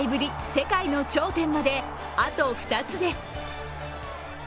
世界の頂点まであと２つです。